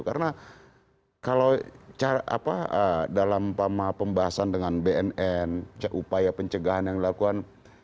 karena dalam pembahasan dengan bnn upaya pencegahan yang dilakukan